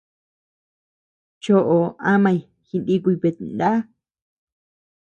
Choʼo amañ jinikuy betná.